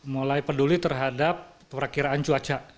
mulai peduli terhadap perakiraan cuaca